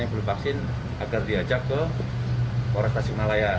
yang belum vaksin agar diajak ke korek tasik malaya